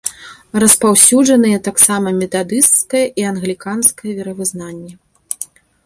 Распаўсюджаныя таксама метадысцкае і англіканскае веравызнанне.